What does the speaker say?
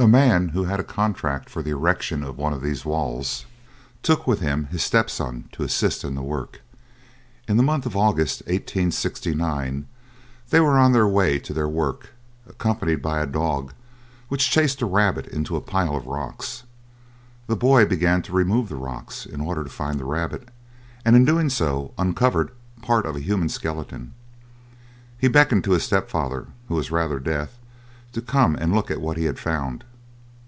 A man who had a contract for the erection of one of these walls took with him his stepson to assist in the work. In the month of August, 1869, they were on their way to their work accompanied by a dog which chased a rabbit into a pile of rocks. The boy began to remove the rocks in order to find the rabbit, and in doing so uncovered part of a human skeleton. He beckoned to his stepfather, who was rather deaf, to come and look at what he had found.